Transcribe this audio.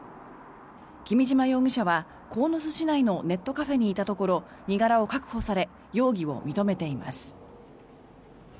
君島容疑者は鴻巣市内のネットカフェにいたところ身柄を確保され容疑を認めています。